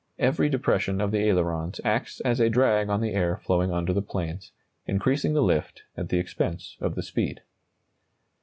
Every depression of the ailerons acts as a drag on the air flowing under the planes, increasing the lift at the expense of the speed.